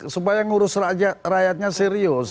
supaya ngurus rakyatnya serius